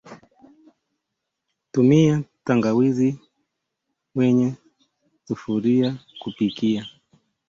Tumia tangawizi kwenye sufuria kupikia